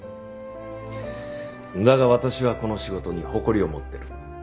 だが私はこの仕事に誇りを持ってる。